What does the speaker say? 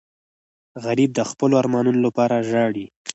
غریب د خپلو ارمانونو لپاره ژاړي